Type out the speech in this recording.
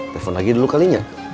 telepon lagi dulu kalinya